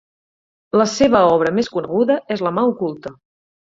La seva obra més coneguda és "La mà oculta".